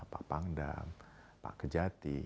pak pangdam pak kejati